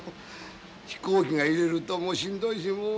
飛行機が揺れるともうしんどいしもう